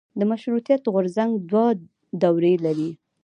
د مشروطیت غورځنګ دوه دورې لري.